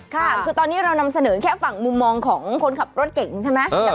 ค่ะคือตอนนี้เรานำเสนอแค่ฝั่งมุมมองของคนขับรถเก่งใช่ไหม